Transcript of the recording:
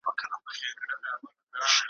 چي د شېخ د سر جنډۍ مي نڅوله `